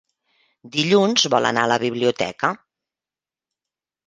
Dilluns vol anar a la biblioteca.